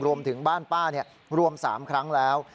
รวมถึงบ้านป้ารวม๓ครั้งแล้ว